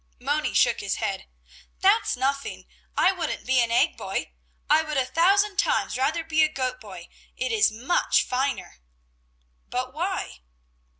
Moni shook his head. "That's nothing. I wouldn't be an egg boy; I would a thousand times rather be goat boy, it is much finer." "But why?"